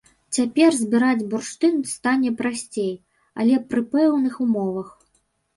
Цяпер збіраць бурштын стане прасцей, але пры пэўных умовах.